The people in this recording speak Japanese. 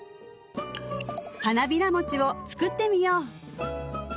花びら餅を作ってみよう！